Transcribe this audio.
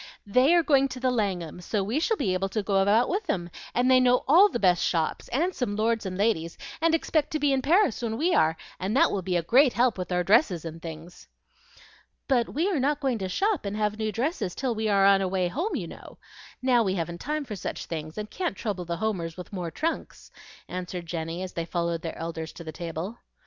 "They are going to the Langham; so we shall be able to go about with them, and they know all the best shops, and some lords and ladies, and expect to be in Paris when we are, and that will be a great help with our dresses and things." "But we are not going to shop and have new dresses till we are on our way home, you know. Now we haven't time for such things, and can't trouble the Homers with more trunks," answered Jenny, as they followed their elders to the table.